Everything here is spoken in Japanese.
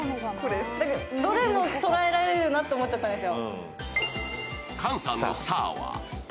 どれも捉えられるなと思っちゃったんですよ。